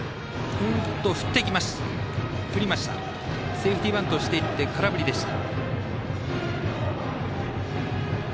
セーフティーバントしていって空振りでした。